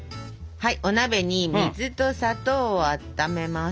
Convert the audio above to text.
はいお鍋に水と砂糖をあっためます。